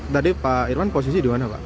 tadi pak irwan posisi di mana pak